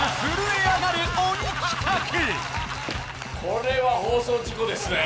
これは放送事故ですね